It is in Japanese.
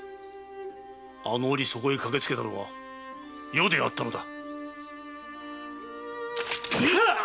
あのおりそこへ駆けつけたのは余であったのだ！